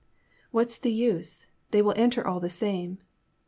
''What is the use? They will enter all the same.'